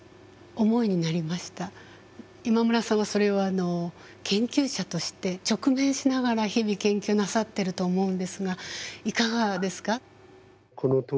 今村さんはそれを研究者として直面しながら日々研究なさってると思うんですがいかがですか。